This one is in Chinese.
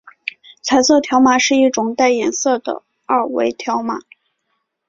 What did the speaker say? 彩色条码是一种带颜色的二维条码。